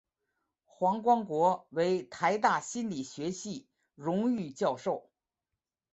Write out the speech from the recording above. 黄光国为台大心理学系荣誉教授。